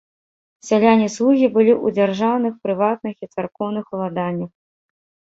Сяляне-слугі былі ў дзяржаўных, прыватных і царкоўных уладаннях.